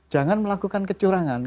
jangan melakukan kecurangan